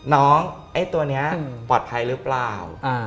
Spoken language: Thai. ไอ้ตัวนี้ปลอดภัยหรือเปล่า